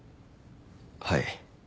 はい。